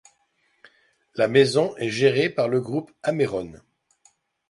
La maison est gérée par le groupe Ameron.